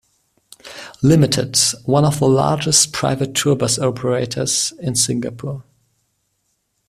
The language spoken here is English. Limited, one of the largest private tour bus operators in Singapore.